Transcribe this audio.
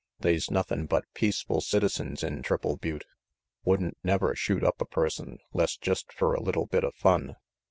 They's nothin' but peaceful citizens in Triple Butte; wouldn't never shoot up a person 'less jest fer a little bit of fun.